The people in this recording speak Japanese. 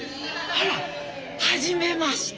あらはじめまして。